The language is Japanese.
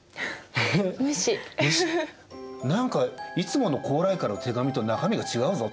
何かいつもの高麗からの手紙と中身が違うぞと。